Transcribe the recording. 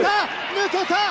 抜けた！